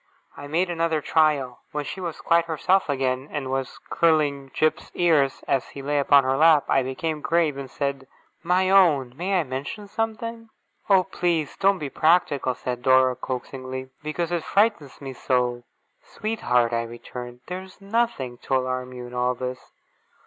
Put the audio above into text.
I made another trial. When she was quite herself again, and was curling Jip's ears, as he lay upon her lap, I became grave, and said: 'My own! May I mention something?' 'Oh, please don't be practical!' said Dora, coaxingly. 'Because it frightens me so!' 'Sweetheart!' I returned; 'there is nothing to alarm you in all this.